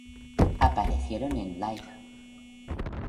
Aparecieron en "Live!